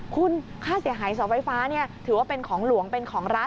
คุณค่าเสียหายเสาไฟฟ้าถือว่าเป็นของหลวงเป็นของรัฐ